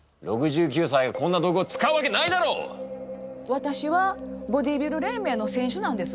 私はボディビル連盟の選手なんです。